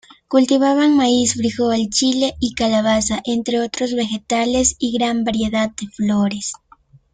Cultivaban maíz, frijol, chile y calabaza, entre otros vegetales, y gran variedad de flores.